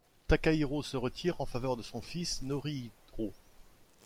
Takahiro se retire en faveur de son fils Norihiro.